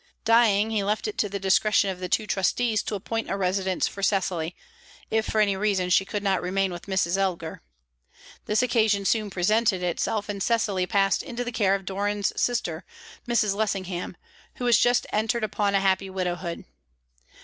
Dying, he left it to the discretion of the two trustees to appoint a residence for Cecily, if for any reason she could not remain with Mrs. Elgar. This occasion soon presented itself, and Cecily passed into the care of Doran's sister, Mrs. Lessingham, who was just entered upon a happy widowhood.